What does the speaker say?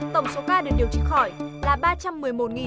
tổng số ca được điều trị khỏi là ba trăm một mươi một bảy trăm một mươi ca